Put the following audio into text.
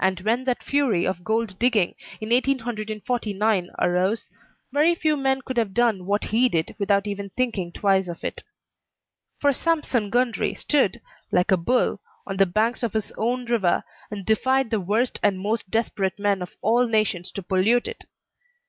And when that fury of gold digging in 1849 arose, very few men could have done what he did without even thinking twice of it. For Sampson Gundry stood, like a bull, on the banks of his own river, and defied the worst and most desperate men of all nations to pollute it.